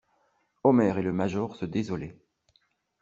Omer et le major se désolaient.